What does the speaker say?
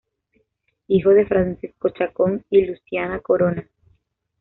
Hijo de Francisco Chacón y Luciana Corona.